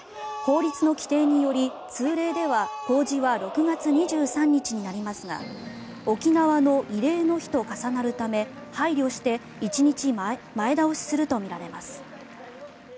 法律の規定により、通例では公示は６月２３日になりますが沖縄の慰霊の日と重なるため配慮して１日前倒しするとみられます。